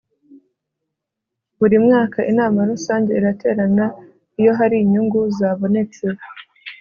buri mwaka inama rusange iraterana iyo hari inyungu zabonetse